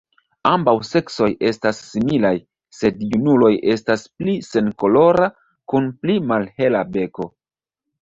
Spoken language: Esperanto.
Ambaŭ seksoj estas similaj, sed junuloj estas pli senkolora kun pli malhela beko.